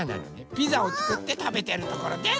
ピザをつくってたべてるところです！